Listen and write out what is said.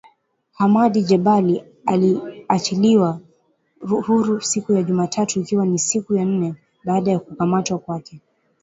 Hamadi Jebali aliachiliwa huru siku ya Jumatatu ikiwa ni siku ya nne baada ya kukamatwa kwake.